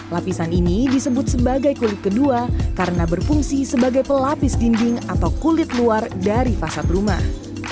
lapisan ini disebut sebagai kulit kedua karena berfungsi sebagai pelapis dinding atau kulit luar dari fasad rumah